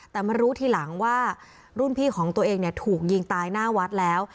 แต่มารู้ทีหลังว่ารุ่นพี่ของตัวเองเนี่ยถูกยิงตายหน้าวัดแล้ว